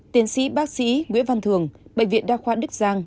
tiến sĩ bác sĩ nguyễn văn thường bệnh viện đa khoa đức giang